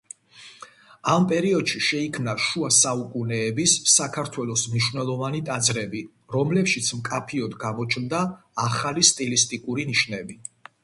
ამ პერიოდში შეიქმნა შუა საუკუნეების საქართველოს მნიშვნელოვანი ტაძრები, რომლებშიც მკაფიოდ გამოჩნდა ახალი სტილისტიკური ნიშნები.